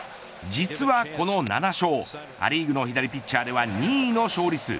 実はこの７勝ア・リーグの左ピッチャーでは２位の勝利数。